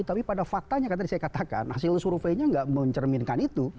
tapi pada faktanya kan tadi saya katakan hasil surveinya nggak mencerminkan itu